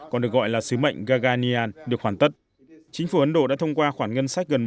còn được gọi là sứ mệnh gaganyan được hoàn tất chính phủ ấn độ đã thông qua khoản ngân sách gần